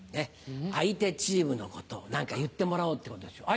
相手チームのことを何か言ってもらおうってことですよ。